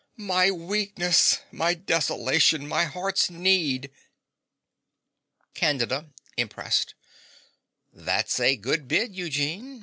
My weakness! my desolation! my heart's need! CANDIDA (impressed). That's a good bid, Eugene.